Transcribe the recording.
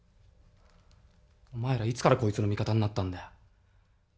お前らいつからこいつの味方になったんだよ。